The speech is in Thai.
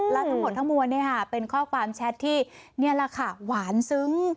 และทั้งหมดทั้งมวลเป็นข้อความแชทที่นี่แหละค่ะหวานซึ้ง